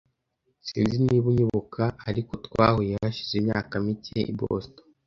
Sinzi niba unyibuka, ariko twahuye hashize imyaka mike i Boston.